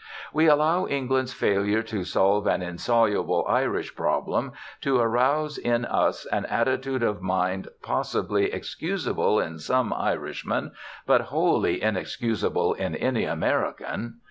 We allow England's failure to solve an insoluble Irish problem to arouse in us an attitude of mind possibly excusable in some Irishmen, but wholly inexcusable in any American.